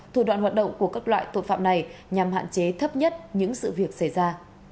thủ đoạn hoạt động của các loại tội phạm này nhằm hạn chế thấp nhất những sự việc xảy ra